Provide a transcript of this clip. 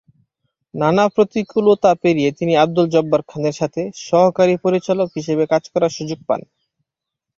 নানা প্রতিকূলতা পেরিয়ে তিনি আব্দুল জব্বার খানের সাথে সহকারী পরিচালক হিসেবে কাজ করার সুযোগ পান।